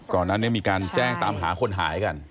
ก่อนหน้านี้มีการแจ้งตามหาคนหายกัน